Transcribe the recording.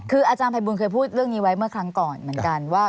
คืออาจารย์ภัยบูลเคยพูดเรื่องนี้ไว้เมื่อครั้งก่อนเหมือนกันว่า